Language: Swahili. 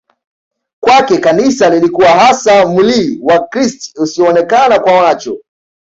Kwake Kanisa lilikuwa hasa mwli wa krist usioonekana kwa macho